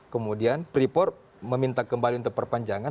kemudian freeport meminta kembali untuk perpanjangan